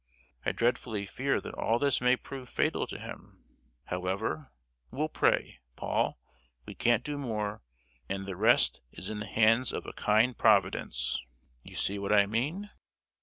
—I dreadfully fear that all this may prove fatal to him; however, we'll pray, Paul, we can't do more, and the rest is in the hands of a kind Providence. You see what I mean?